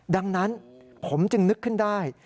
ดังนั้นผมจึงนึกขึ้นได้